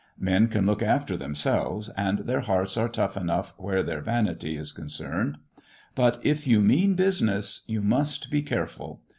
Men can look after themselves, and their hearts are tough enough where their vanity is con cerned. But if you mean business you must be careful.